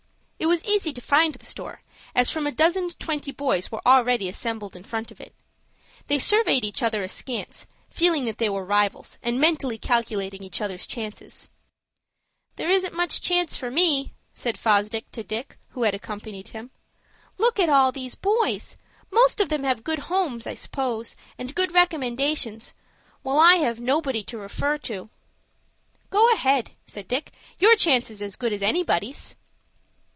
It was easy to find the store, as from a dozen to twenty boys were already assembled in front of it. They surveyed each other askance, feeling that they were rivals, and mentally calculating each other's chances. "There isn't much chance for me," said Fosdick to Dick, who had accompanied him. "Look at all these boys. Most of them have good homes, I suppose, and good recommendations, while I have nobody to refer to." "Go ahead," said Dick. "Your chance is as good as anybody's."